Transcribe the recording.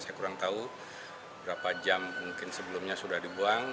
saya kurang tahu berapa jam mungkin sebelumnya sudah dibuang